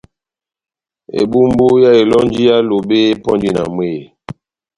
Ebumbu yá elɔnji yá Lobe epɔndi na mwehé.